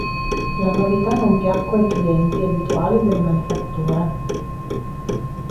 La novità non piacque ai clienti abituali delle Manifatture.